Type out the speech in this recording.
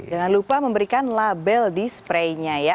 jangan lupa memberikan label di spraynya ya